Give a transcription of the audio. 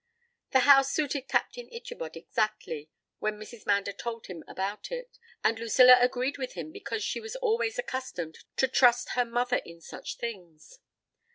The house suited Captain Ichabod exactly, when Mrs. Mander told him about it, and Lucilla agreed with him because she was always accustomed to trust her mother in such things.